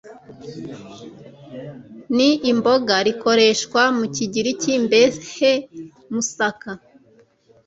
Ni imboga rikoreshwa mu Kigiriki mbehe Moussaka